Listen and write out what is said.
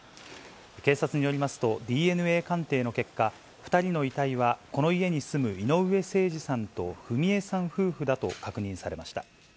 警察によりますと、ＤＮＡ鑑定の結果、２人の遺体はこの家に住む井上盛司さんと章恵さん夫婦だと確認されました。